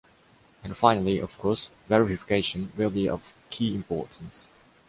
And finally, of course, verification will be of key importance.